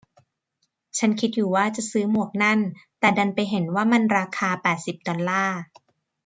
ฉันคิดอยู่ว่าจะซื้อหมวกนั่น แต่ดันไปเห็นว่ามันราคาแปดสิบดอลลาร์